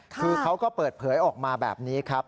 คือเขาก็เปิดเผยออกมาแบบนี้ครับ